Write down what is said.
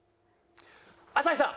朝日さん。